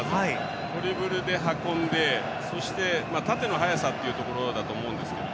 ドリブルで運んでそして、縦の速さっていうところだと思うんですけど。